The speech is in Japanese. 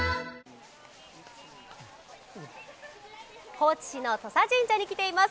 高知市の土佐神社に来ています。